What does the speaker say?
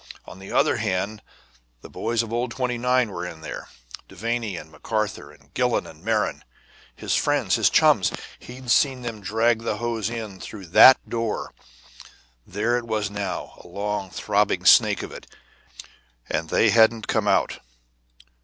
On the other hand, the boys of old 29 were in there. Devanny and McArthur, and Gillon and Merron, his friends, his chums: he'd seen them drag the hose in through that door there it was now, a long, throbbing snake of it and they hadn't come out.